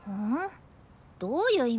どういう意味よ？